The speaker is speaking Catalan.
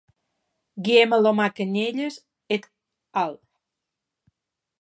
Guillem Alomar Canyelles et al.